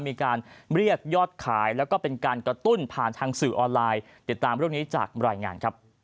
มีการเรียกยอดขายแล้วก็เป็นการกระตุ้นผ่านทางสื่อออนไลน์